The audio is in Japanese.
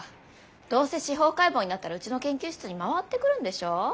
どうせ司法解剖になったらうちの研究室に回ってくるんでしょ？